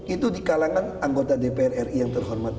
itu di kalangan anggota dpr ri yang terhormat